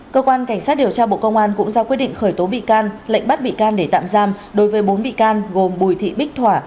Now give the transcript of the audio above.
cơ quan cảnh sát điều tra bộ công an cũng ra quyết định khởi tố bị can lệnh bắt bị can để tạm giam đối với bốn bị can gồm bùi thị bích thỏa